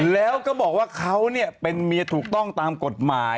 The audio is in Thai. แล้วก็บอกว่าเขาเป็นเมียถูกต้องตามกฎหมาย